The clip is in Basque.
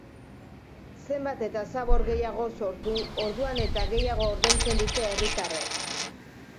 Zenbat eta zabor gehiago sortu orduan eta gehiago ordaintzen dute herritarrek.